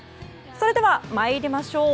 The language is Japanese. それでは参りましょう。